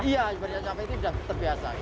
iya berdampingan sama sapi ini sudah terbiasa